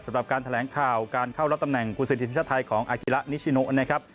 สำหรับการแถลงข่าวการเข้ารับตำแหน่งกุศทีมชาติไทยของอากิระนิชิโนนะครับ